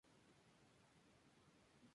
Se juega a eliminación directa.